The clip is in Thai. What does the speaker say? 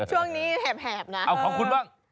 ช่วงนี้แหบนะโอ้โฮของคุณบ้างโอ้โฮของคุณบ้าง